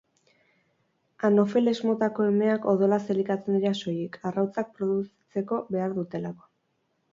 Anofeles motako emeak odolaz elikatzen dira soilik, arrautzak produzitzeko behar dutelako.